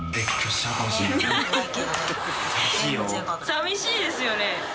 さみしいですよね。